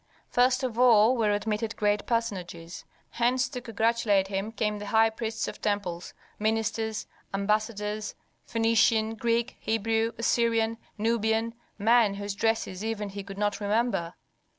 First of all were admitted great personages. Hence to congratulate him came the high priests of temples, ministers, ambassadors, Phœnician, Greek, Hebrew, Assyrian, Nubian, men whose dresses even he could not remember.